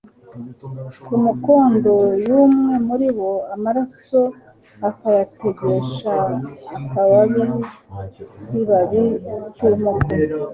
ku mukondo y’umwe muri bo amaraso akayategesha akababikibabi cy’umuko